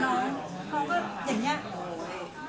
น้องก็อย่างนี้